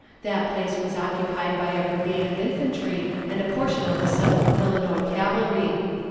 That place was occupied by a brigade of infantry and a portion of the Seventh Illinois Cavalry.